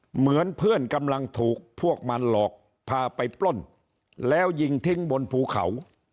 เหมือนเพื่อนกำลังถูกพวกมันหลอกพาไปปล้นแล้วยิงทิ้งบนภูเขา